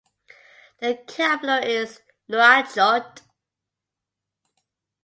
The capital is Nouakchott.